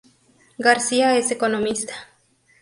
García es economista.